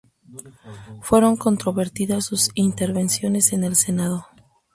Fueron controvertidas sus intervenciones en el Senado.